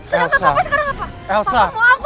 sedangkan papa sekarang apa